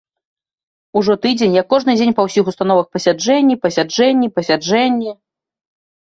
Ужо тыдзень, як кожны дзень па ўсіх установах пасяджэнні, пасяджэнні, пасяджэнні.